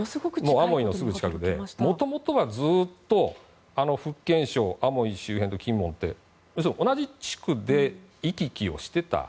アモイのすぐ近くでもともとは、ずっと福建省アモイ周辺と金門って要するに同じ地区で行き来をしてた。